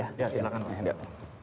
ya silahkan pak